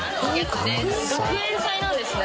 学園祭なんですね？